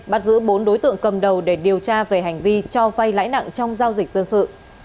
bắt giữ bốn đối tượng cầm đầu để điều tra về hành vi cho vay lãi nặng trong giao dịch dân sự